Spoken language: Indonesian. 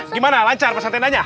gimana lancar pasang tendanya